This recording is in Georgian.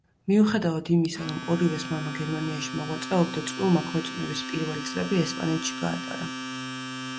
მიუხედავად იმისა, რომ ორივეს მამა გერმანიაში მოღვაწეობდა, წყვილმა ქორწინების პირველი წლები ესპანეთში გაატარა.